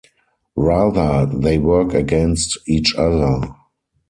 Rather, they work against each other.